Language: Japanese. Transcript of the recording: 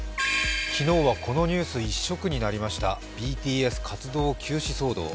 昨日はこのニュース一色になりました、ＢＴＳ活動休止騒動。